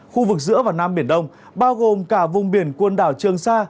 khu vực giữa và nam biển đông bao gồm cả vùng biển quần đảo trường sa